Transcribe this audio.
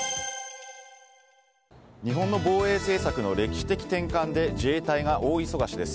日本の防衛政策の歴史的転換で自衛隊が大忙しです。